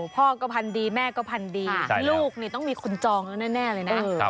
พ่อก็พันดีแม่ก็พันดีลูกนี่ต้องมีคนจองแล้วแน่เลยนะ